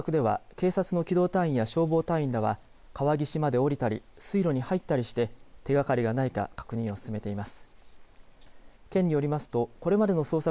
きょうの捜索では警察の機動隊員や消防隊員らは川岸まで降りたり水路に入ったりして手がかりがないか確認を進めています。